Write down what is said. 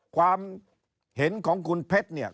ความเห็นของคุณเพชรเนี่ย